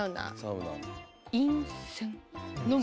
飲む。